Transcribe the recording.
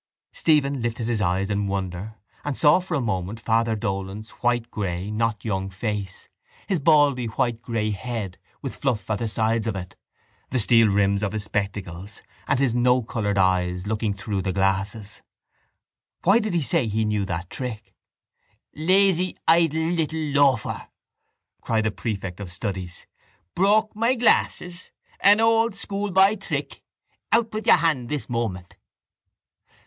Stephen lifted his eyes in wonder and saw for a moment Father Dolan's whitegrey not young face, his baldy whitegrey head with fluff at the sides of it, the steel rims of his spectacles and his no coloured eyes looking through the glasses. Why did he say he knew that trick? —Lazy idle little loafer! cried the prefect of studies. Broke my glasses! An old schoolboy trick! Out with your hand this moment!